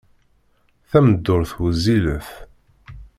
Tameddurt wezzilet.